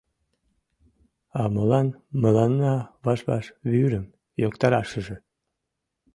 — А молан мыланна ваш-ваш вӱрым йоктарашыже?